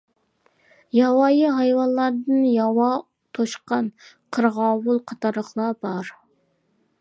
ياۋايى ھايۋانلاردىن ياۋا توشقان، قىرغاۋۇل قاتارلىقلار بار.